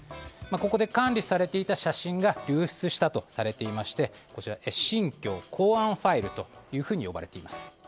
ここで管理されていた写真が流出したとされていまして新疆公安ファイルと呼ばれています。